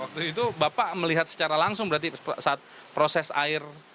waktu itu bapak melihat secara langsung berarti saat proses air